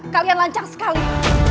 kalian sangat berguna